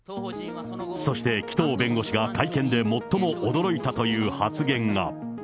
そして紀藤弁護士が会見で最も驚いたという発言が。